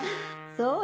そう？